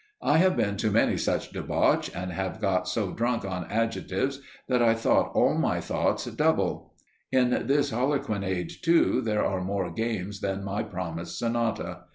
I have been to many such debauch, and have got so drunk on adjectives that I thought all my thoughts double. In this Harlequinade, too, there are more games than my promised Sonata.